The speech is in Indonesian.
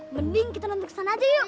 mending kita nanti ke sana aja yuk